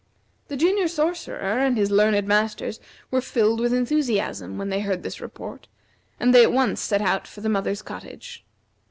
The Junior Sorcerer and his learned Masters were filled with enthusiasm when they heard this report, and they at once set out for the mother's cottage.